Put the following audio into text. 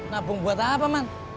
nabung buat apa man